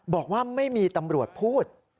บอกว่าไม่มีตำรวจพูด